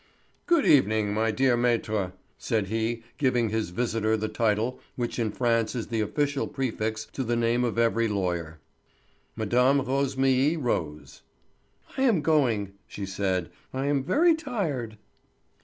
"Good evening, my dear Maître," said he, giving his visitor the title which in France is the official prefix to the name of every lawyer. Mme. Rosémilly rose. "I am going," she said. "I am very tired."